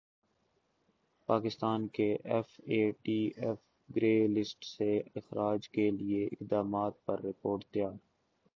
پاکستان کے F A T F grey list سے اخراج کیلئے اقدامات پر رپورٹ تیار